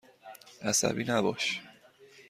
عصبی نباش.